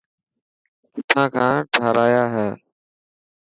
ڪٿان کان ٺاهرايا هي.